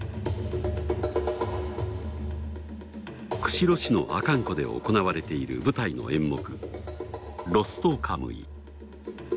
釧路市の阿寒湖で行われている舞台の演目。